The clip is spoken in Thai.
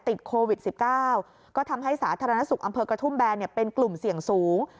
ติดโควิด๑๙ก็ทำให้สาธารณสุขอำเภอกระทุ่มแบนเป็นกลุ่มเสี่ยงสูง